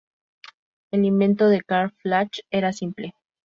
El invento de Karl Flach era simple.